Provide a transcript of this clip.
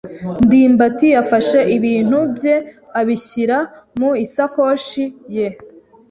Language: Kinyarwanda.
ndimbati yafashe ibintu bye abishyira mu isakoshi ye.